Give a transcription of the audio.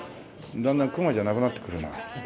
だんだん熊じゃなくなってくるな。